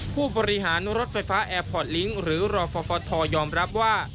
ผู้บริหารรถไฟฟ้าแอร์พอร์ตลิงค์หรือรอฟทยอมรับว่า